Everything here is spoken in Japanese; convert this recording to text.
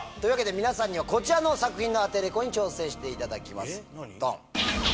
皆さんにはこちらの作品のアテレコに挑戦していただきます。